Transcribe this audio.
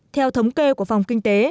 theo thống kê của phòng kinh tế